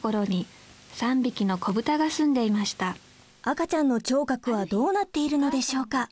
赤ちゃんの聴覚はどうなっているのでしょうか？